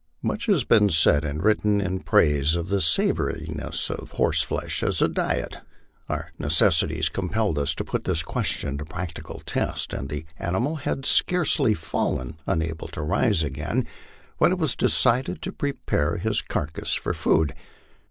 Much has been said and written in praise of the savoriness of horseflesh as a diet. Our nec essities compelled us to put this question to practical test, and the animal had scarcely fallen, unable to rise again, when it was decided to prepare his car cass for food.